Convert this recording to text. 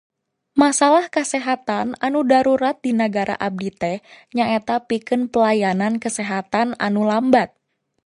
Masalah kasaehatan anu darurat di nagara abdi teh nyaeta pikeun pelayanan kasehatan anu lambat.